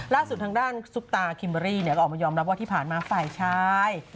ล่าสุดทางด้านซุปตาคิมเบอรี่ก็ออกมายอมรับว่าที่ผ่านมาฝ่ายชาย